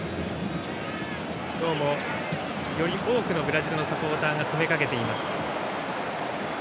今日もより多くのブラジルのサポーターが詰め掛けています。